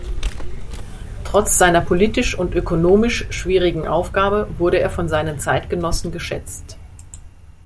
Trotz seiner politisch und ökonomisch schwierigen Aufgabe wurde er von seinen Zeitgenossen geschätzt.